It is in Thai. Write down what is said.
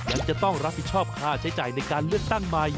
และจะต้องรับผิดชอบค่าใช้จ่ายในการเลือกตั้งใหม่